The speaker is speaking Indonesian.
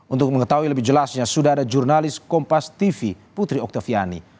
untuk mengetahui lebih jelasnya sudah ada jurnalis kompas tv putri oktaviani